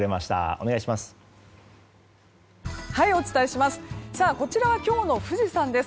お願いします。